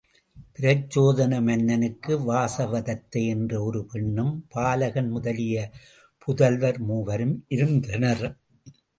பிரச்சோதன மன்னனுக்கு வாசவதத்தை என்ற ஒரு பெண்ணும், பாலகன் முதலிய புதல்வர் மூவரும் இருந்தனர்.